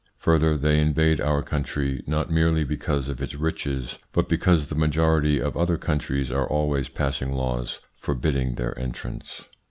Further, they invade our country, not merely because of its riches, but because the majority of other countries are always passing laws forbidding their entrance.